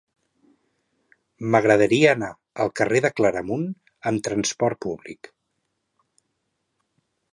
M'agradaria anar al carrer de Claramunt amb trasport públic.